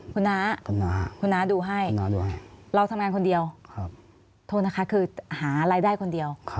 คุณน้าคุณน้าดูให้เราทำงานคนเดียวโทษนะคะคือหารายได้คนเดียว